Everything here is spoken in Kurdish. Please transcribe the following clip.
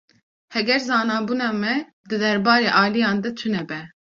Heger zanebûna me di derbarê aliyan de tune be.